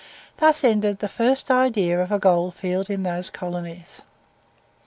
Thus ended the first idea of a gold field in those colonies.